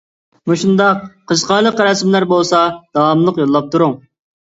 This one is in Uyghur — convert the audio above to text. مۇشۇنداق قىزىقارلىق رەسىملەر بولسا داۋاملىق يوللاپ تۇرۇڭ.